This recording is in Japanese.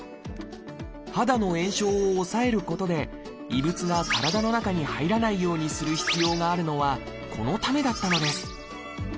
肌の炎症を抑えることで異物が体の中に入らないようにする必要があるのはこのためだったのです。